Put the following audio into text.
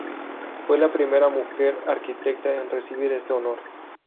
Fue la primera mujer arquitecta en recibir este honor.